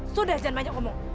sudah jangan banyak ngomong